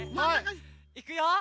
いくよ。